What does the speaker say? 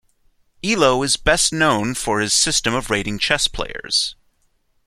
Elo is best known for his system of rating chess players.